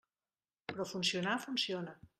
Però funcionar, funciona.